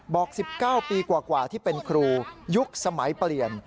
๑๙ปีกว่าที่เป็นครูยุคสมัยเปลี่ยน